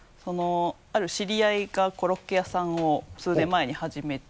ある知り合いがコロッケ屋さんを数年前に始めて。